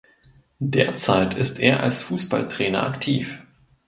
Derzeit ist er als Fußballtrainer aktiv.